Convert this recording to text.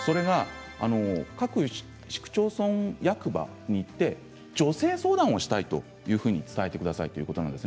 各市区町村役場に行って女性相談をしたいと伝えてくださいということなんです。